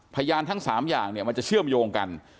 พยานทั้ง๓อย่างเนี่ยมันจะเชื่อมโยงกัน